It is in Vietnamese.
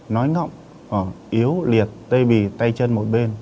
nói ngọng yếu liệt tây bì tay chân một bên